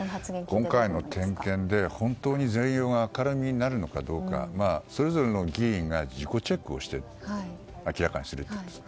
今回の点検で、本当に全容が明るみになるのかどうかそれぞれの議員が自己チェックをして明らかにすべきです。